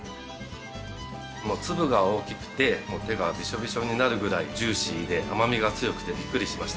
粒が大きくて手がビショビショになるぐらいジューシーで甘みが強くてビックリしました。